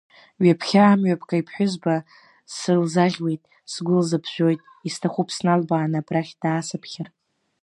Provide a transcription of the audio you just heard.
Ҩаԥхьа амҩаԥгаҩ ԥҳәызба сылзаӷьуеит, сгәы лзыԥжәоит, исҭахуп сналбааны абрахь даасыԥхьар.